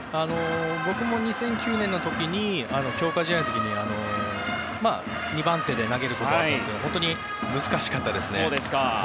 僕も２００９年の強化試合の時２番手で投げることがありましたが本当に難しかったですね。